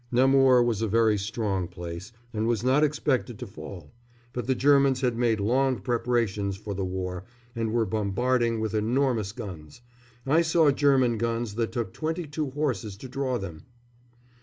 Namur was a very strong place and was not expected to fall; but the Germans had made long preparations for the war, and were bombarding with enormous guns I saw German guns that took twenty two horses to draw them.